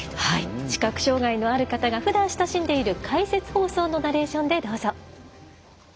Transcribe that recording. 視覚障がいのある方がふだん親しんでいる解説放送のナレーションでどうぞ。